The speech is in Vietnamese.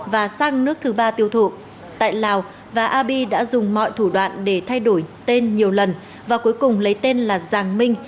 và sang nước thứ ba tiêu thụ tại lào và abi đã dùng mọi thủ đoạn để thay đổi tên nhiều lần và cuối cùng lấy tên là giàng minh